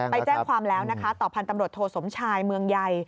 ไปแจ้งความแล้วนะคะต่อพันธ์ตำรวจโทสมชายเมืองใย